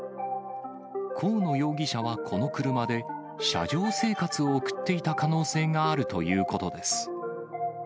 河野容疑者はこの車で、車上生活を送っていた可能性があるということです。